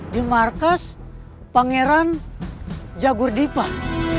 di markas pangeran jagur dipa